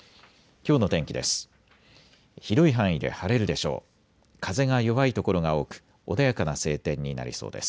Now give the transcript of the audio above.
きょうの天気です。